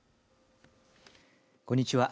こんにちは。